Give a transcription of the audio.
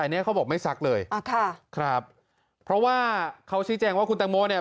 อันนี้เขาบอกไม่ซักเลยอ่าค่ะครับเพราะว่าเขาชี้แจงว่าคุณแตงโมเนี่ย